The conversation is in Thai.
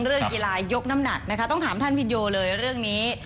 เรื่องกีฬายกน้ำหนักนะคะต้องถามท่านพินโยเลยเรื่องนี้